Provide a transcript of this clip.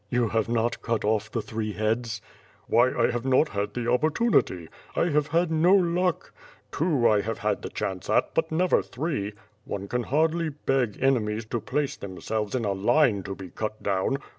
"You have not cut off the three heads ?'* "Why, I have not had the opportunity. I have had no luck. Two I have had the chance at, but never three. One can hardly beg enemies to place themselves in a line to be cut down.